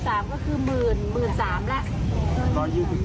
รางวัลที่๑เลยค่ะ